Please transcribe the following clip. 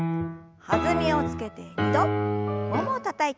弾みをつけて２度ももをたたいて。